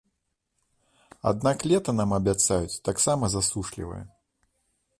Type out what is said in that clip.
Аднак лета нам абяцаюць таксама засушлівае.